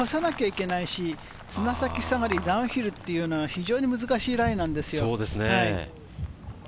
ここを越さなきゃいけないし、つま先下がり、ダウンヒルっていうのは非常に難しいライなんですよ。